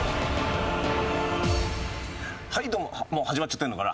はいどうももう始まっちゃってるのかな？